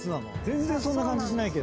全然そんな感じしないけど。